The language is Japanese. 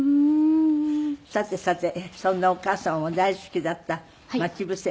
さてさてそんなお母様も大好きだった『まちぶせ』。